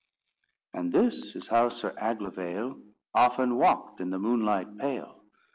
And this is how Sir Aglovaile Often walked in the moonlight pale.